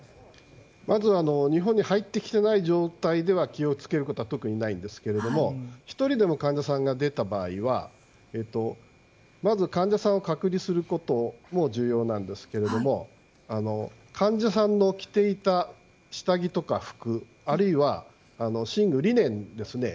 まずは日本に入ってきていない状態では気を付けるべきことは特にないんですが１人でも患者さんが出た場合はまず患者さんを隔離することも重要なんですけれども患者さんの着ていた下着や服あるいは寝具、リネンですね